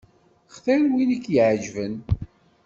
Xtir win i k-iεeǧben.